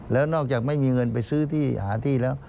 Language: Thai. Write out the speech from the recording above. แล้วนอกจากไม่มีเงินไปซื้อที่หาที่แล้ว